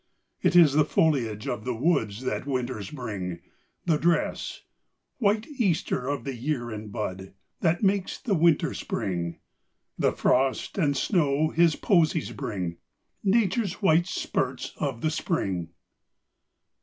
It is the foliage of the woods That winters bring the dress, White Easter of the year in bud, That makes the winter Spring. The frost and snow his posies bring, Nature's white spurts of the spring.